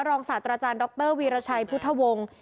ศาสตราจารย์ดรวีรชัยพุทธวงศ์